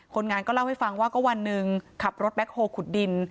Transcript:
คนงานก็เล่าให้ฟังว่าก็วันหนึ่งขับรถแบ็คโฮลขุดดิน